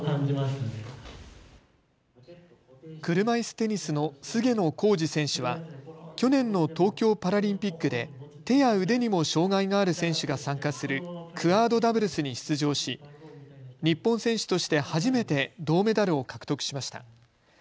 車いすテニスの菅野浩二選手は去年の東京パラリンピックで手や腕にも障害がある選手が参加するクアードダブルスに出場し日本選手として初めて銅メダルを獲得しました。